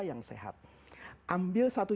yang sehat ambil satu